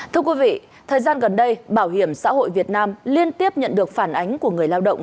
thưa quý vị thời gian gần đây bảo hiểm xã hội việt nam liên tiếp nhận được phản ánh của người lao động